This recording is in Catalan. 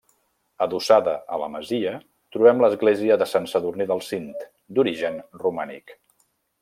Adossada a la masia trobem l'església de Sant Sadurní del Cint, d'origen romànic.